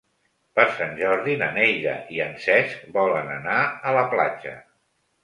Per Sant Jordi na Neida i en Cesc volen anar a la platja.